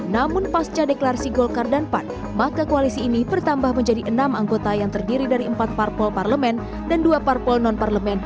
namun pasca deklarasi golkar dan pan maka koalisi ini bertambah menjadi enam anggota yang terdiri dari empat parpol parlemen dan dua parpol non parlemen